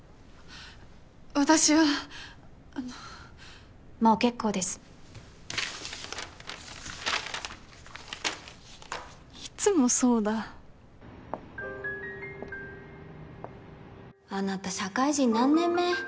私はあのもう結構ですいつもそうだあなた社会人何年目？